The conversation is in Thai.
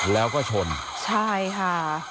แล้วก็ชนใช่ค่ะ